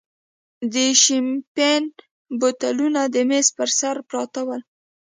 د شیمپین بوتلونه د مېز پر سر پراته ول.